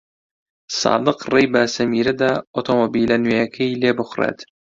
سادق ڕێی بە سەمیرە دا ئۆتۆمۆبیلە نوێیەکەی لێ بخوڕێت.